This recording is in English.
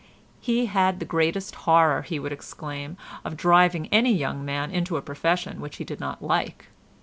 He had the greatest horror, he would exclaim, of driving any young man into a profession which he did not like.